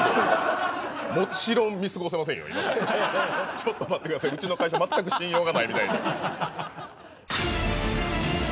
ちょっと待って下さいうちの会社全く信用がないみたいに。